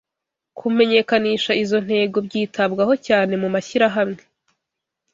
kumenyekanisha izo ntego byitabwaho cyane mu mashyirahamwe